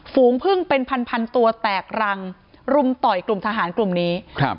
ฝูงพึ่งเป็นพันพันตัวแตกรังรุมต่อยกลุ่มทหารกลุ่มนี้ครับ